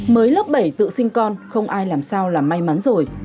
mới lớp bảy tự sinh con không ai làm sao là may mắn rồi